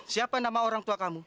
siapa nama orang tua kamu